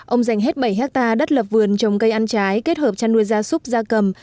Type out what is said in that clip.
ông dành hết bảy hectare đất lập vườn trồng cây ăn trái kết hợp chăn nuôi gia súc gia cầm